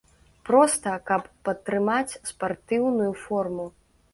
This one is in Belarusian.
Проста, каб падтрымаць спартыўную форму.